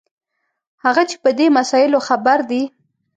هغه چې په دې مسایلو خبر دي.